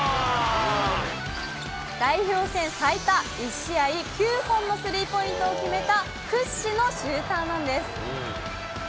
代表戦最多、１試合９本のスリーポイントを決めた、屈指のシューターなんです。